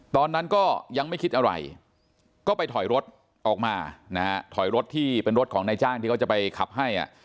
ตอนนั้นก็ยังไม่คิดอะไรก็ไปถอยรถออกมานะฮะถอยรถที่เป็นรถของนายจ้างที่เขาจะไปขับให้